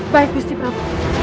baik busti pram